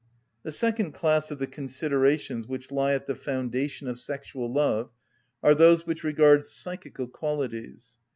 The second class of the considerations which lie at the foundation of sexual love are those which regard psychical qualities.